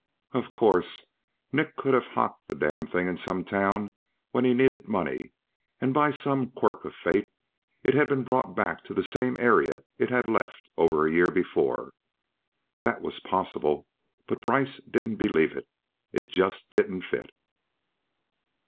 Of course, Nick could have hocked the damned thing in some town when he needed money, and by some quirk of fate it had been brought back to the same area it had left over a year before. That was possible, but Brice didn't believe it. It just didn't fit.